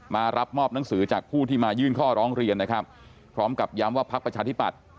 มารับมอบหนังสือจากผู้ที่มายื่นข้อร้องเรียนนะครับพร้อมกับย้ำว่าพักประชาธิปัตย